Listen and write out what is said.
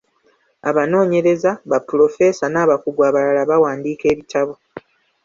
Abanoonyereza, ba pulofeesa, n'abakugu ablala bawandiika ebitabo.